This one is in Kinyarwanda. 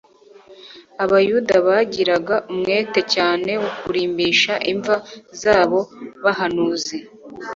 abayuda bagiraga umwete cyane wo kurimbisha imva z'abo bahanuzi;